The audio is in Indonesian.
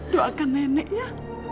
doakan nenek ya